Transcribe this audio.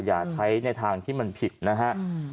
อย่าใช้ในทางที่มันผิดนะฮะ